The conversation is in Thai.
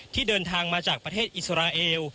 เดินทางมาจากประเทศอิสราเอล